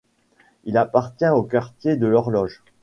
Il appartient au quartier de l’Horloge.